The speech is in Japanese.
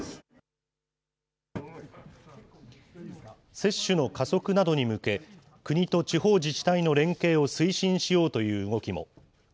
接種の加速などに向け、国と地方自治体の連携を推進しようという動きも。